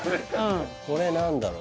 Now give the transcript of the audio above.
これ何だろう